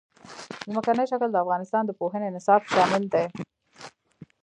ځمکنی شکل د افغانستان د پوهنې نصاب کې شامل دي.